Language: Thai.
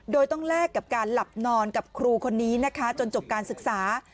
โดยต้องแลกกับการหลับนอนกับครูคนนี้นะคะจนจบการศึกษา